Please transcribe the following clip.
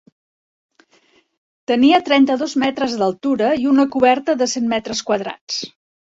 Tenia trenta-dos metres d'altura i una coberta de cent metres quadrats.